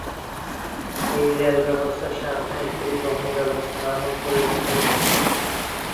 এই রেল ব্যবস্থা সাংহাই পরিবহন ব্যবস্থার আমূল পরিবর্তন ঘটায়।